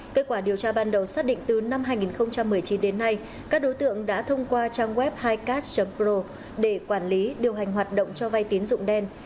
kết quả điều tra ban đầu xác định từ năm hai nghìn một mươi chín đến nay các đối tượng đã thông qua trang web hicast pro để quản lý điều hành hoạt động cho vay tín dụng đen